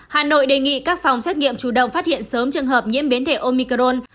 hà nội đề nghị các phòng xét nghiệm chủ động phát hiện sớm trường hợp nhiễm biến thể omicron